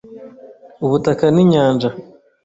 Ubutaka ni nyanja.